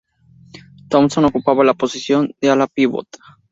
Thompson ocupaba la posición de Ala-Pívot.